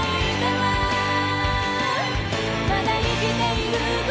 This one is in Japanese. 「まだ生きていること」